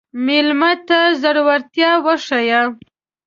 مېلمه ته زړورتیا وښیه.